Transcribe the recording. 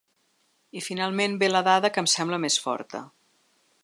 I finalment ve la dada que em sembla més forta.